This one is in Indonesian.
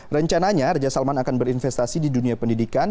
rencananya raja salman akan berinvestasi di dunia pendidikan